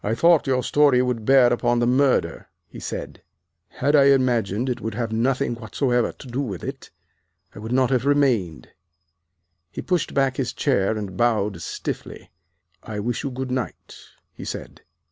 "I thought your story would bear upon the murder," he said. "Had I imagined it would have nothing whatsoever to do with it I would not have remained." He pushed back his chair and bowed stiffly. "I wish you good night," he said.